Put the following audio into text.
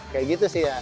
kayak gitu sih ya